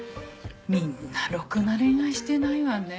みんなろくな恋愛してないわね。